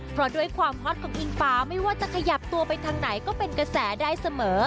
เพราะด้วยความฮอตของอิงฟ้าไม่ว่าจะขยับตัวไปทางไหนก็เป็นกระแสได้เสมอ